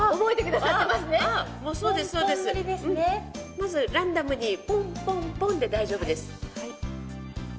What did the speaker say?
まずランダムにポンポンポンで大丈夫です。